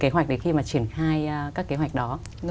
kế hoạch đấy khi mà triển khai các kế hoạch đó